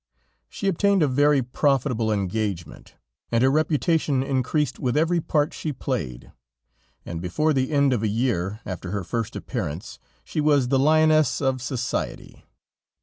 She obtained a very profitable engagement, and her reputation increased with every part she played; and before the end of a year after her first appearance, she was the lioness of society.